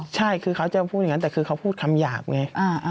ใช่คือเขาจะพูดอย่างนั้นแต่คือเขาพูดคำหยาบไง